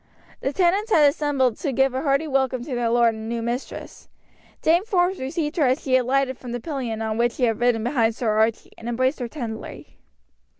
The tenants had assembled to give a hearty welcome to their lord and new mistress. Dame Forbes received her as she alighted from the pillion on which she had ridden behind Archie, and embraced her tenderly.